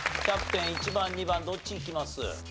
キャプテン１番２番どっちいきます？